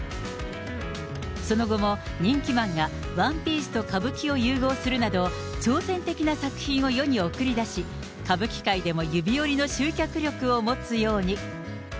その後も人気漫画、ワンピースと歌舞伎を融合するなど、挑戦的な作品を世に送り出し、歌舞伎界でも指折りの集客力を持つように。